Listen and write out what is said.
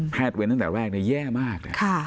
แพทย์เว้นตั้งแต่แรกเนี่ยแย่มาก